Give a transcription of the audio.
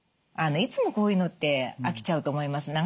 あのいつもこういうのって飽きちゃうと思います。